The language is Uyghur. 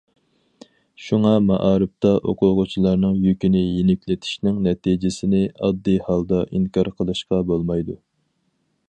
شۇڭا، مائارىپتا ئوقۇغۇچىلارنىڭ يۈكىنى يېنىكلىتىشنىڭ نەتىجىسىنى ئاددىي ھالدا ئىنكار قىلىشقا بولمايدۇ.